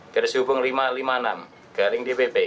garis hubung lima ratus lima puluh enam garing dpp